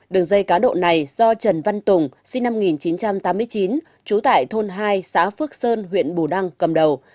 đường dây cá độ này do trần văn tùng sinh năm một nghìn chín trăm tám mươi chín trú tại thôn hai xã phước sơn huyện bù đăng cầm đầu